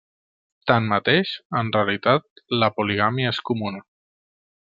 Tanmateix, en realitat, la poligàmia és comuna.